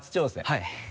はい。